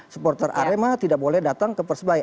supporter arema tidak boleh datang ke persebaya